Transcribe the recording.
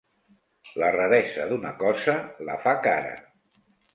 La raresa d'una cosa la fa cara.